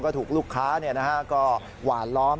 ก็ถูกลูกค้าก็หวานล้อม